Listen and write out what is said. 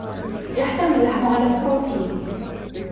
يحتوي اللحم على البروتين.